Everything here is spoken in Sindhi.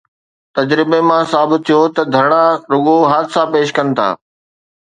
تجربي مان ثابت ٿيو آهي ته ڌرڻا رڳو حادثا پيش ڪن ٿا.